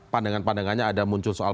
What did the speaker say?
pandangan pandangannya ada muncul soal